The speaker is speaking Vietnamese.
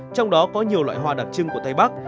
trong đó có nhiều loại hoa đặc trưng của tây bắc